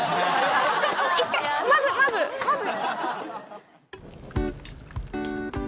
ちょっと一回まずまずまず。